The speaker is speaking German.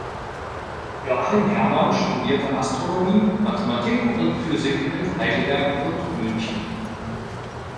Joachim Herrmann studierte Astronomie, Mathematik und Physik in Heidelberg und München.